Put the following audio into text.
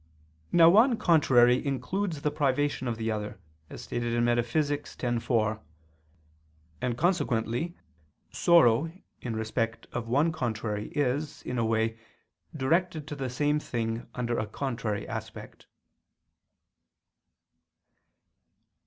Now one contrary includes the privation of the other, as stated in Metaph. x, 4: and consequently sorrow in respect of one contrary is, in a way, directed to the same thing under a contrary aspect.